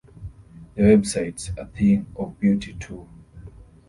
The website's a thing of beauty, too.